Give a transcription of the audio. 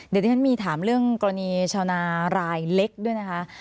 เดี๋ยวที่ฉันมีถามเรื่องกรณีชาวนารายเล็กด้วยนะคะ